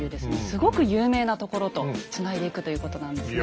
すごく有名なところとつないでいくということなんですね。